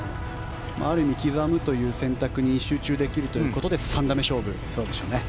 ある意味刻むという選択に集中できるということで３打目勝負。